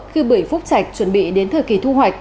khi bưởi phúc trạch chuẩn bị đến thời kỳ thu hoạch